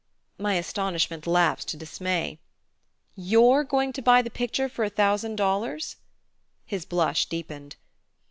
My astonishment lapsed to dismay. "You're going to buy the picture for a thousand dollars?" His blush deepened.